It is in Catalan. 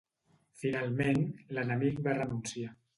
Finalment l'enemic va renunciar.